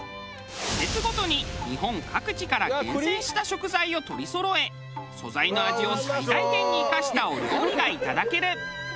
季節ごとに日本各地から厳選した食材を取りそろえ素材の味を最大限に生かしたお料理がいただける。